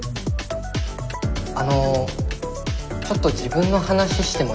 あのちょっと自分の話してもいいですか？